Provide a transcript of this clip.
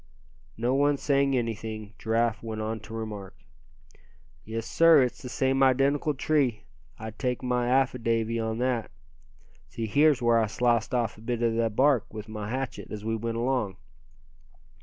No one saying anything, Giraffe went on to remark: "Yes sir, it's the same identical tree, I'd take my affidavy on that. See here's where I sliced off a bit of the bark with my hatchet, as we went along.